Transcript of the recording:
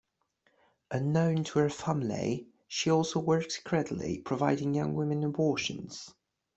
Unknown to her family, she also works secretly, providing young women abortions.